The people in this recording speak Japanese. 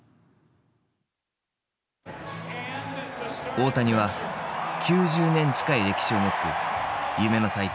大谷は９０年近い歴史を持つ夢の祭典